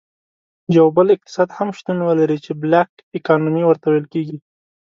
یو بل اقتصاد هم شتون ولري چې Black Economy ورته ویل کیږي.